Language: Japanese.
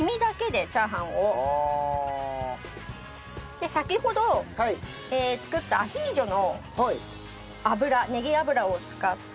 で先ほど作ったアヒージョの油ねぎ油を使って。